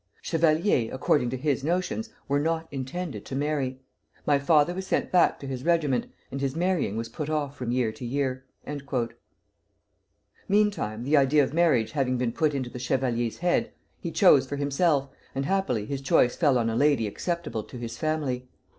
Chevaliers, according to his notions, were not intended to marry. My father was sent back to his regiment, and his marrying was put off from year to year." Meantime, the idea of marriage having been put into the Chevalier's head, he chose for himself, and happily his choice fell on a lady acceptable to his family.